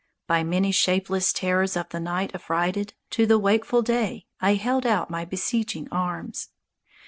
By many shapeless terrors of the night affrighted, To the wakeful day I held out beseeching arms.